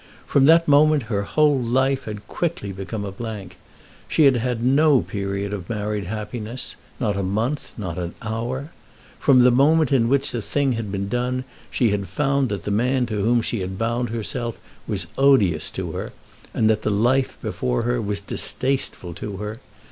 From that moment her whole life had quickly become a blank. She had had no period of married happiness, not a month, not an hour. From the moment in which the thing had been done she had found that the man to whom she had bound herself was odious to her, and that the life before her was distasteful to her.